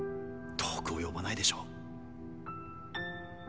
遠く及ばないでしょう。